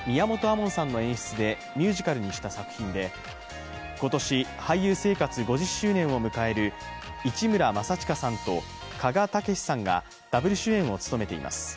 門さんの演出でミュージカルにした作品で今年、俳優生活５０周年を迎える市村正親さんと鹿賀丈史さんがダブル主演を務めています。